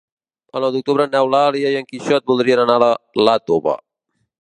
El nou d'octubre n'Eulàlia i en Quixot voldrien anar a Iàtova.